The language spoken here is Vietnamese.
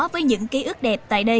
với những ký ức đẹp tại đây